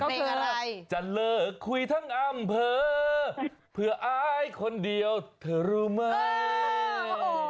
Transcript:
ก็คือเจ้าเลิกคุยทั้งอ่ำเผอเผื่ออายคนเดียวเธอรู้ไหมเออโอ้โห